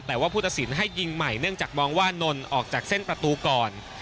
แต่ว่าผู้ตัดสินให้ยิงใหม่เนื่องจากมองว่านนออกจากเส้นประตูก่อน